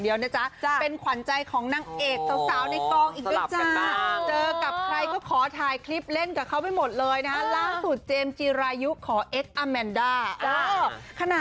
เดินไปกับใครก็ขอถ่ายคลิปเล่นกับเขาไปหมดเลยค่ะ